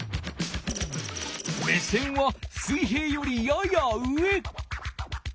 目線は水平よりやや上。